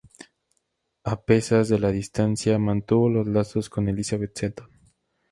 A pesas de la distancia, mantuvo los lazos con Elizabeth Seton.